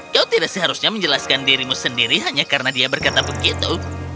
kau tidak seharusnya menjelaskan dirimu sendiri hanya karena dia berkata begitu